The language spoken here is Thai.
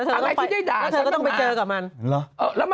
อะไรที่ได้ด่าเธอก็ต้องไปเจอกับมัน